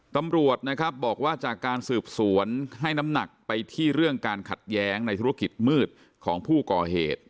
ตำรวจนะครับบอกว่าจากการสืบสวนให้น้ำหนักไปที่เรื่องการขัดแย้งในธุรกิจมืดของผู้ก่อเหตุ